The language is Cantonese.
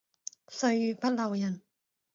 歲月不留人